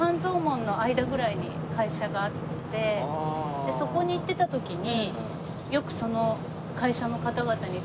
それがそこに行ってた時に。